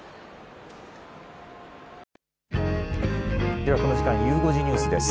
ではこの時間、ゆう５時ニュースです。